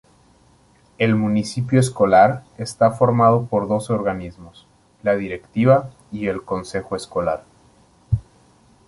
El Municipio Escolar está formado por dos organismos: La Directiva y el Consejo Escolar.